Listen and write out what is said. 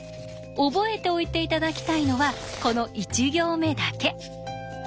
覚えておいて頂きたいのはこの１行目だけ。